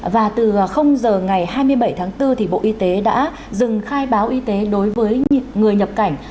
và từ giờ ngày hai mươi bảy tháng bốn bộ y tế đã dừng khai báo y tế đối với người nhập cảnh